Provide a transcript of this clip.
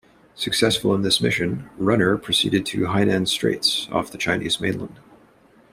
Successful in this mission, "Runner" proceeded to Hainan Straits, off the Chinese mainland.